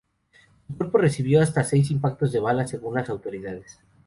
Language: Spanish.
Su cuerpo recibió hasta seis impactos de bala, según las autoridades.